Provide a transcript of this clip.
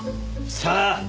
さあ。